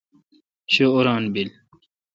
شہ اوران بیل